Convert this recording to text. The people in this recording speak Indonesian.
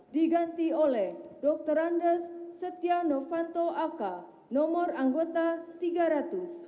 diganti oleh dr andes setia novanto ak nomor anggota tiga ratus